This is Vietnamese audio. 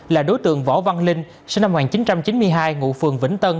là đối tượng võ văn linh sinh năm một nghìn chín trăm chín mươi hai ngụ phường vĩnh tân